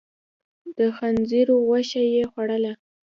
د خنزير غوښه يې خوړله؟